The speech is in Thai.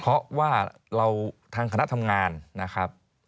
เพราะว่าเราทางคณะทำงานนะครับ